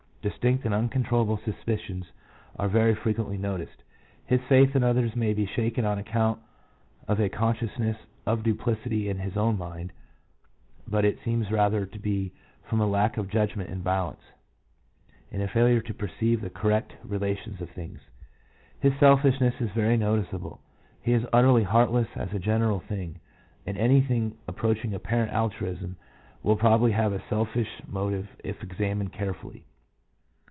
Distinct and uncontrollable suspicions are very frequently noticed. His faith in others may be shaken on account of a consciousness of duplicity in his own mind, but it seems rather to be from a lack of judgment and balance, and a failure to perceive the correct relations of things. His selfishness is very noticeable. He is utterly heartless as a general thing, and anything approach ing apparent altruism will probably have a selfish motive if examined carefully.